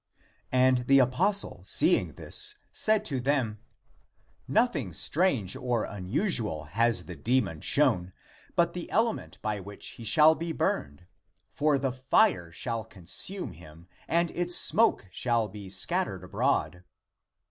And the apostle, seeing this, said to them, " Nothing strange or unusual has the demon shown, but tlie element by which he shall be burned. For the fire shall consume him, and its smoke shall be scattered abroad."